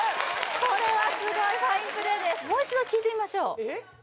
これはすごいファインプレーですもう一度聴いてみましょう・えっ？